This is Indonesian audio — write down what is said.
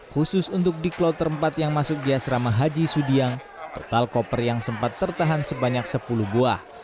khusus untuk di kloter empat yang masuk di asrama haji sudiang total koper yang sempat tertahan sebanyak sepuluh buah